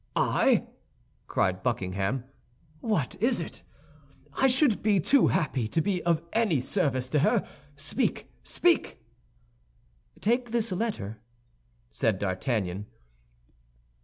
"I!" cried Buckingham. "What is it? I should be too happy to be of any service to her. Speak, speak!" "Take this letter," said D'Artagnan.